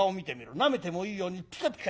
なめてもいいようにピカピカ光ってるだろ。